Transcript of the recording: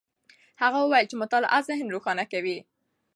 هغه وویل چې مطالعه ذهن روښانه کوي.